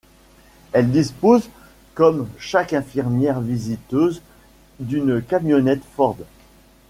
Elle dispose comme chaque infirmière visiteuse d’une camionnette Ford.